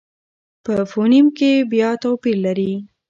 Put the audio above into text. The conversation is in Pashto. په فونېم کې بیا توپیر لري.